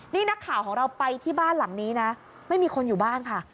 นี่นักข่าวของเราไปที่บ้านหลังนี้นะไม่มีคนอยู่บ้านค่ะ